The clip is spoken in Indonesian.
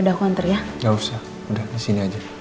udah aku hantar ya